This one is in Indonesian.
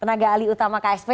tenaga ahli utama ksp